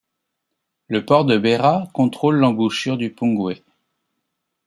Le port de Beira contrôle l'embouchure du Pungwe.